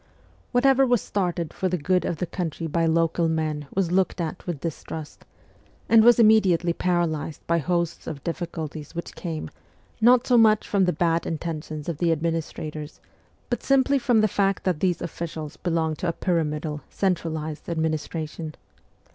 Whatever was started for the good of the country by local men was looked at with distrust, and was immediately paralysed by hosts of difficulties which came, not so much from the bad intentions of the administrators, but simply from the fact that these officials belonged to a pyramidal, centra lised administration.